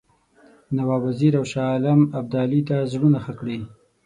نواب وزیر او شاه عالم ابدالي ته زړونه ښه کړي.